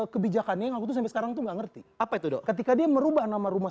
kebijakannya yang aku tuh sampai sekarang tuh nggak ngerti apa itu dok ketika dia merubah nama rumah